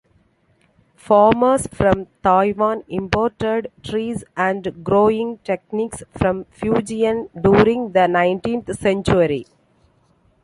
Farmers from Taiwan imported trees and growing techniques from Fujian during the nineteenth century.